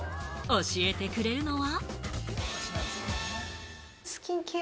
教えてくれるのは。